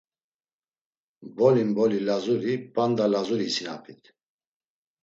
Mboli mboli Lazuri, p̌anda Lazuri isinapit.